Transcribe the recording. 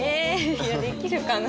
いやできるかな。